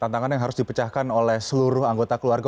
tantangan yang harus dipecahkan oleh seluruh anggota keluarga